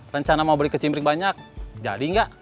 rencana mau beli ke cimpring banyak jadi gak